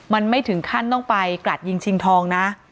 มันไม่ถึงขั้นต้องไปกรัดยิงชิงทองนะ